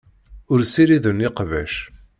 Ur ssiriden iqbac.